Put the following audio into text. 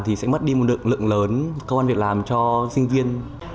thì sẽ mất đi một lượng lớn công an việc làm cho sinh viên